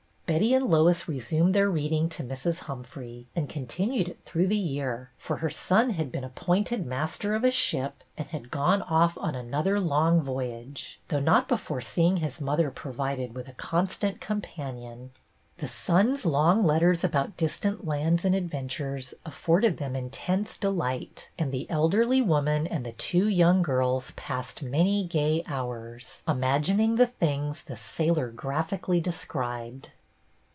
Betty and Lois resumed their reading to Mrs. Humphrey, and continued it through the year, for her son had been appointed master of a ship and had gone off on an other long voyage, though not before seeing his mother provided with a constant com BETTY BAIRD 272 panion. The son's long letters about distant lands and adventures afforded them intense delight, and the elderly woman and the two young girls passed many gay hours, imagining the things the sailor graphically described.